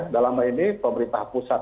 dalam hal ini pemerintah pusat